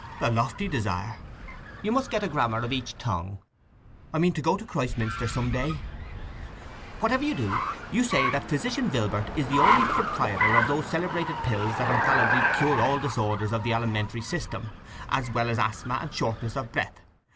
"A lofty desire. You must get a grammar of each tongue." "I mean to go to Christminster some day." "Whenever you do, you say that Physician Vilbert is the only proprietor of those celebrated pills that infallibly cure all disorders of the alimentary system, as well as asthma and shortness of breath.